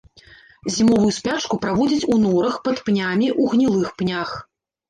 Зімовую спячку праводзіць у норах, пад пнямі, у гнілых пнях.